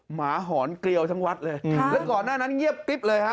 หมาหอนเกลียวทั้งวัดเลยแล้วก่อนหน้านั้นเงียบกริ๊บเลยฮะ